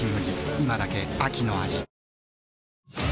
今だけ秋の味